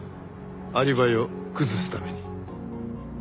アリバイを崩すために。